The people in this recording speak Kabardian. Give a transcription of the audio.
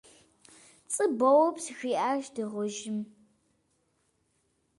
- ПцӀы боупс! - жиӀащ дыгъужьым.